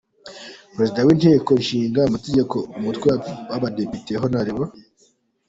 Perezida w’Inteko Ishinga Amategeko umutwe w’abadepite, Hon.